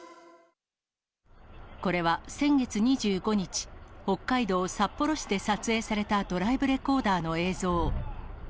これは先月２５日、北海道札幌市で撮影されたドライブレコーダーの映像。